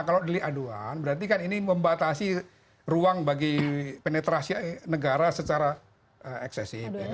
kalau delik aduan berarti kan ini membatasi ruang bagi penetrasi negara secara eksesif